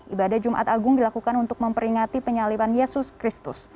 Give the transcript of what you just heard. ibadah jumat agung dilakukan untuk memperingati penyalipan yesus kristus